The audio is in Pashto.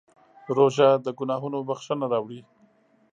روژه د ګناهونو بښنه راوړي.